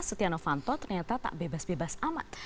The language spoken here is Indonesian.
stiano fanto ternyata tak bebas bebas amat